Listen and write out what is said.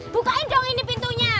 bukain dong ini pintunya